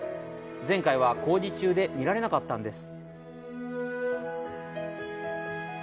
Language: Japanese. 前回は工事中で見られなかったんです。